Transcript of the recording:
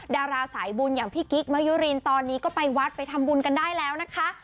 ดาราสายบุญอย่างพี่กิ๊กมะยุรินตอนนี้ก็ไปวัดไปทำบุญกันได้แล้วนะคะ